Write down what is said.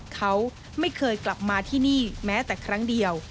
เขาไม่เคยกลับมาที่นี่แม้แต่ครั้งเดียว